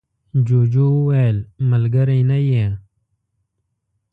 جوجو وویل ملگری نه یې.